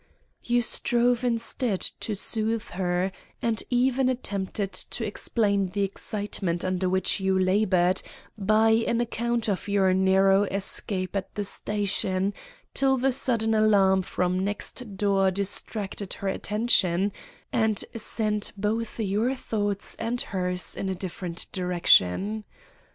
You strove instead to soothe her, and even attempted to explain the excitement under which you labored, by an account of your narrow escape at the station, till the sudden alarm from next door distracted her attention, and sent both your thoughts and hers in a different direction.